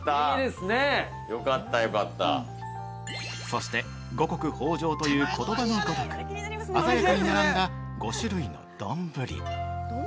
◆そして、五穀豊穣という言葉のごとく鮮やかに並んだ５種類の丼。